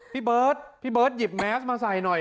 พี่เบิร์ตพี่เบิร์ตหยิบแมสมาใส่หน่อย